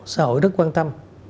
xã hội rất quan tâm